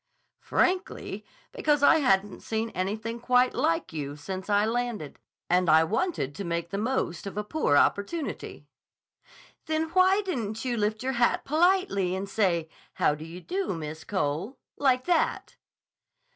"Frankly, because I hadn't seen anything quite like you since I landed, and I wanted to make the most of a poor opportunity." "Then why didn't you lift your hat politely and say, 'How do you do, Miss Cole?' Like that."